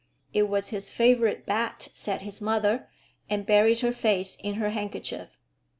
"It was his favourite bat," said his mother, and buried her face in her handkerchief.